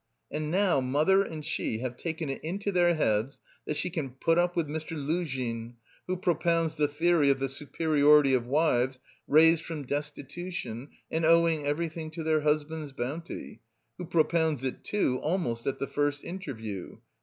And now mother and she have taken it into their heads that she can put up with Mr. Luzhin, who propounds the theory of the superiority of wives raised from destitution and owing everything to their husband's bounty who propounds it, too, almost at the first interview.